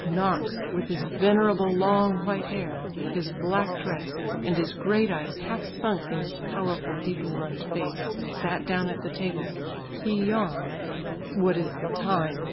Knox, with his venerable long white hair, his black dress, and his great eyes half sunk in his powerful deeply lined face, sat down at the table. He yawned. "What is the time?"